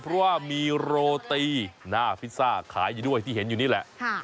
เพราะว่ามีโรตีหน้าพิซซ่าขายอยู่ด้วยที่เห็นอยู่นี่แหละ